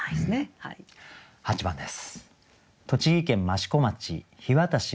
８番です。